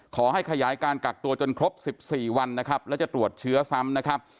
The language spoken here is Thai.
ขอให้ขยายการกักตัวจนครบ๑๔วันนะครับแล้วจะตรวจเชื้อซ้ำนะครับ